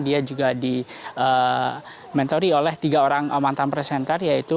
dia juga di mentori oleh tiga orang mantan presenter yaitu